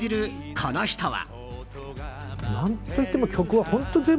この人は。